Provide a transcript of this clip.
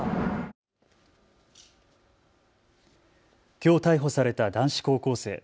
きょう逮捕された男子高校生。